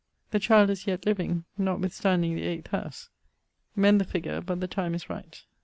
The child is yet living, notwithstanding the 8ᵗʰ house: mend the figure, but the time is right.